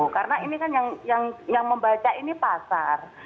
karena ini kan yang membaca ini pasar